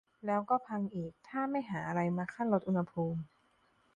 แล้วก็พังอีก ถ้าไม่หาอะไรมาคั่นลดอุณหภูมิ